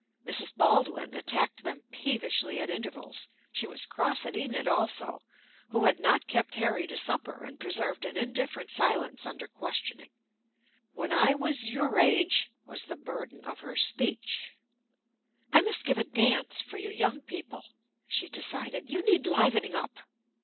Mrs. Baldwin attacked them peevishly at intervals; she was cross at Enid also, who had not kept Harry to supper, and preserved an indifferent silence under questioning. "When I was your age !" was the burden of her speech. "I must give a dance for you young people," she decided. "You need livening up."